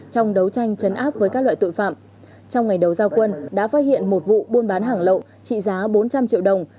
trong đấu tranh chấn áp với các loại tội phạm trong ngày đầu giao quân đã phát hiện một vụ buôn bán hàng lậu trị giá bốn trăm linh triệu đồng